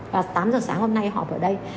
và tám giờ sáng hôm nay họp ở đây